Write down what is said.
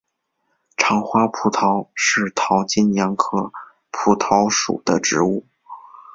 长花蒲桃是桃金娘科蒲桃属的植物。